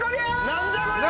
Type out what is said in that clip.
何じゃこりゃ！？